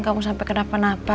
kamu sampai kenapa napa